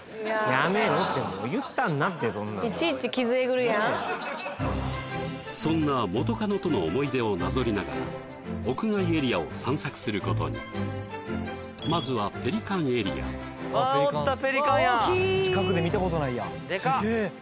もう今のそんな元カノとの思い出をなぞりながら屋外エリアを散策することにまずはペリカンエリアいちにいさん！